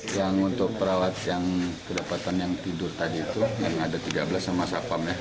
yang untuk perawat yang kedapatan yang tidur tadi itu yang ada tiga belas sama satpam ya